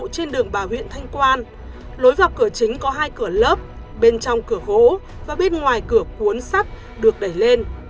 trên đường bà huyện thanh quan lối vào cửa chính có hai cửa lớp bên trong cửa vỗ và bên ngoài cửa cuốn sắt được đẩy lên